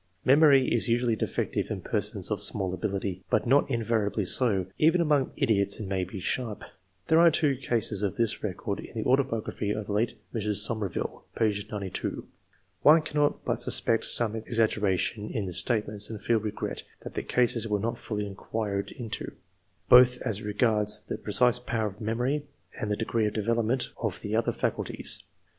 Memory is usually defective in persons of small ability, but not invariably so ; even among idiots it may be sharp. There are two cases of this recorded in the autobiography of the late Mrs. Somerville (p. 92.) One cannot but suspect some ex aggeration in the statements, and feel regret that the cases were not fully inquired into, both as regards the precise power of memory, and the degree of development of the other faculties.